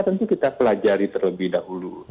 tentu kita pelajari terlebih dahulu